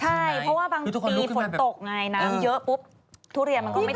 ใช่เพราะว่าบางปีฝนตกไงน้ำเยอะปุ๊บทุเรียนมันก็ไม่